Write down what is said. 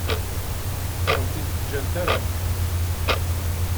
Ur awen-t-id-ǧǧant ara.